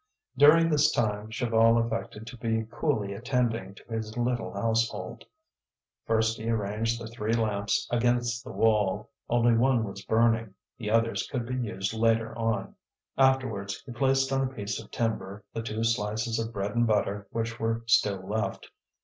During this time Chaval affected to be coolly attending to his little household. First he arranged the three lamps against the wall; only one was burning, the others could be used later on. Afterwards, he placed on a piece of timber the two slices of bread and butter which were still left.